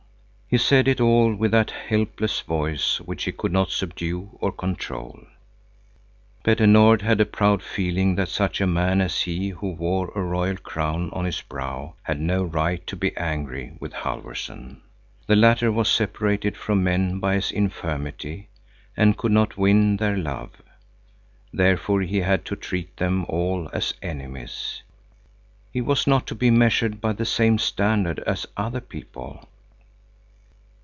He said it all with that helpless voice, which he could not subdue or control. Petter Nord had a proud feeling that such a man as he who wore a royal crown on his brow had no right to be angry with Halfvorson. The latter was separated from men by his infirmity, and could not win their love. Therefore he had to treat them all as enemies. He was not to be measured by the same standard as other people.